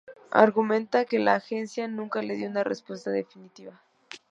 Argumenta que la agencia nunca le dio una respuesta definitiva.